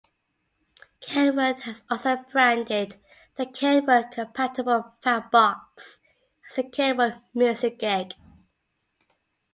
Kenwood has also branded the Kenwood-compatible PhatBox as the Kenwood Music Keg.